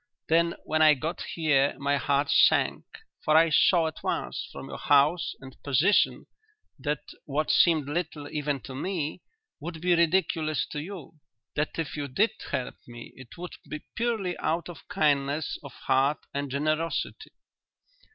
Then when I got here my heart sank, for I saw at once from your house and position that what seemed little even to me would be ridiculous to you that if you did help me it would be purely out of kindness of heart and generosity."